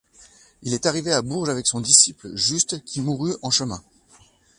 Il est arrivé à Bourges avec son disciple Just qui mourut en chemin.